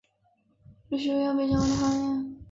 町域内有许多药品相关的企业。